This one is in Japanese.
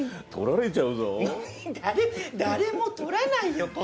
取られちゃうぞ誰も取らないよ